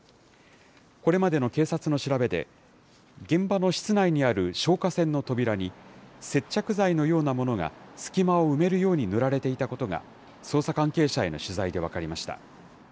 これまでの警察の調べで、現場の室内にある消火栓の扉に、接着剤のようなものが、隙間を埋めるように塗られていたことが捜査関係者への取材で分かりました。